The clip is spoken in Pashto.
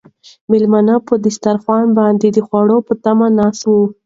مېلمانه په دسترخوان باندې د خوړو په تمه ناست وو.